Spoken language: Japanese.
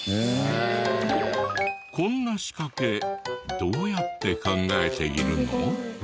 こんな仕掛けどうやって考えているの？